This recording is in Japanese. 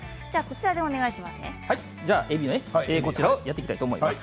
えびをやっていきたいと思います。